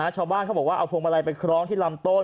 ชาวบ้านเขาบอกว่าเอาพวงมาลัยไปคล้องที่ลำต้น